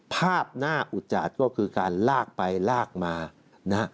ภาพน่าอุจจาดก็คือการลากไปลากมานะฮะ